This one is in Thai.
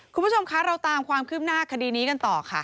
คุณผู้ชมคะเราตามความคืบหน้าคดีนี้กันต่อค่ะ